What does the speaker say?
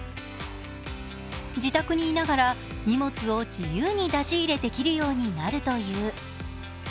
自宅にいながら荷物を自由に出し入れできるようになるという。